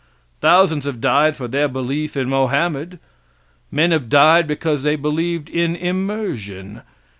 Thousands have died for their belief in Mohammed. Men have died because they believed in immersion.